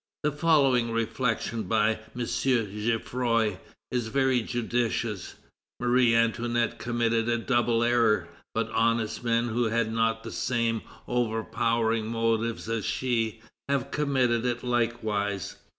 The following reflection by M. Geffroy is very judicious: "Marie Antoinette committed a double error, but honest men who had not the same overpowering motives as she, have committed it likewise.